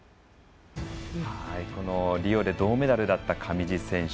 リオで銅メダルだった上地選手。